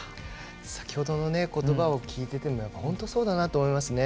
先ほどのことばを聞いてても本当にそうだなと思います。